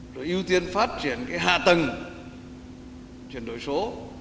rồi ưu tiên phát triển cái hạ tầng chuyển đổi số